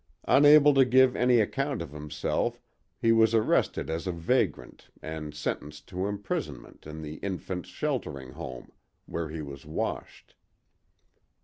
Unable to give any account of himself he was arrested as a vagrant and sentenced to imprisonment in the Infants' Sheltering Home—where he was washed.